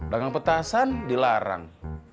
dagang petasan dilarang